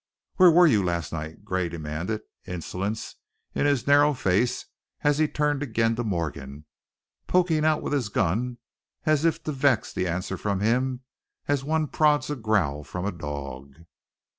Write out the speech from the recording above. "Where was you last night?" Gray demanded, insolence in his narrow face as he turned again to Morgan, poking out with his gun as if to vex the answer from him as one prods a growl from a dog.